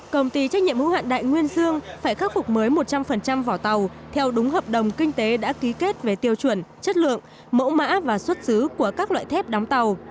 công ty trách nhiệm hữu hạn đại nguyên dương phải khắc phục mới một trăm linh vỏ tàu theo đúng hợp đồng kinh tế đã ký kết về tiêu chuẩn chất lượng mẫu mã và xuất xứ của các loại thép đóng tàu